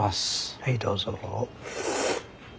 はいどうぞ。